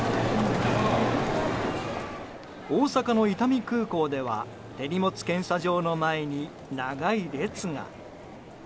大阪の伊丹空港では手荷物検査場の前に長い列が。